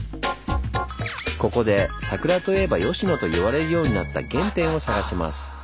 ここで「桜といえば吉野」といわれるようになった原点を探します。